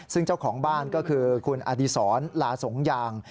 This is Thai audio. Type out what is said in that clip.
ซึ่งเจ้าของบ้านก็คือคุณอดีศรลาสงยาง